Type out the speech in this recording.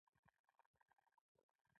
ګلاب د مهربانۍ ژبه ده.